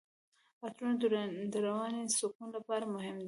عطرونه د رواني سکون لپاره مهم دي.